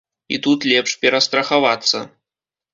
І тут лепш перастрахавацца.